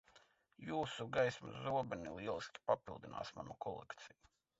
Jūsu gaismas zobeni lieliski papildinās manu kolekciju.